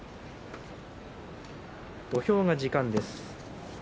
土俵が時間です。